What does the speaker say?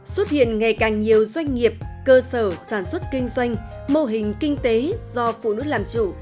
xuất hiện ngày càng nhiều doanh nghiệp cơ sở sản xuất kinh doanh mô hình kinh tế do phụ nữ làm chủ